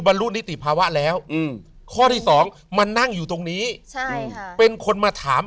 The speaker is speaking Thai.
มันรู้นิติภาวะแล้วข้อที่๒มันนั่งอยู่ตรงนี้เป็นคนมาถาม